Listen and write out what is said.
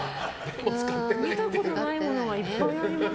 見たことないものがいっぱいあります。